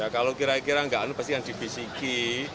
kalau kira kira nggak pasti yang dibisiki